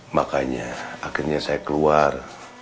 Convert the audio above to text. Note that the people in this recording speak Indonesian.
makanya akhirnya saya keluar